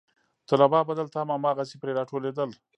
طلبا به دلته هم هماغسې پرې راټولېدل.